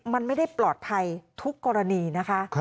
มันไม่ได้ปลอดภัยทุกกรณีนะคะ